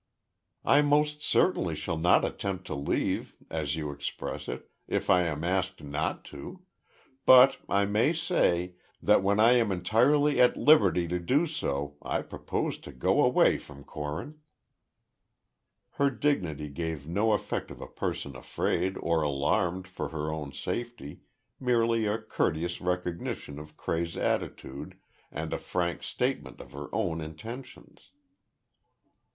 "I most certainly shall not attempt to leave—as you express it—if I am asked not to. But, I may say, that when I am entirely at liberty to do so, I propose to go away from Corinth." Her dignity gave no effect of a person afraid or alarmed for her own safety, merely a courteous recognition of Cray's attitude and a frank statement of her own intentions.